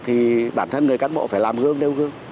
thì bản thân người cán bộ phải làm gương mẫu